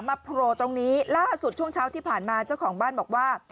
โผล่ตรงนี้ล่าสุดช่วงเช้าที่ผ่านมาเจ้าของบ้านบอกว่า